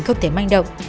không thể manh động